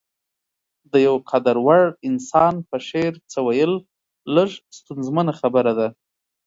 د يو قدر وړ انسان په شعر څه ويل لږه ستونزمنه خبره ده.